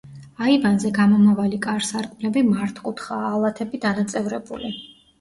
აივანზე გამომავალი კარ-სარკმლები მართკუთხაა, ალათები დანაწევრებული.